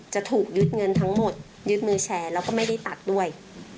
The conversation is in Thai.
จะถูกยึดเงินทั้งหมดยึดมือแชร์แล้วก็ไม่ได้ตัดด้วย